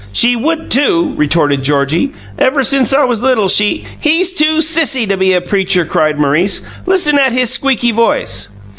"She would, too," retorted Georgie. "Ever since I was little, she " "He's too sissy to be a preacher!" cried Maurice. "Listen at his squeaky voice!"